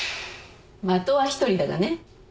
的は１人だがね